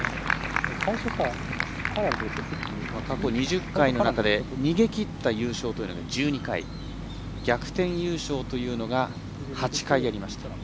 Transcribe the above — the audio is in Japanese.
過去２０回の中で逃げきった優勝というのが１２回、逆転優勝というのが８回ありました。